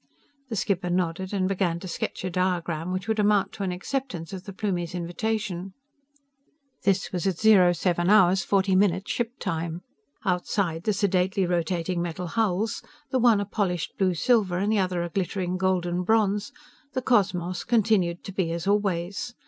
The skipper nodded and began to sketch a diagram which would amount to an acceptance of the Plumie's invitation. This was at 07 hours 40 minutes ship time. Outside the sedately rotating metal hulls the one a polished blue silver and the other a glittering golden bronze the cosmos continued to be as always.